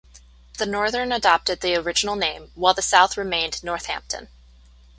The northern adopted the original name, while the south remained Northampton.